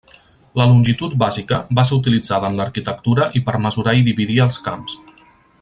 La longitud bàsica va ser utilitzada en l'arquitectura i per mesurar i dividir els camps.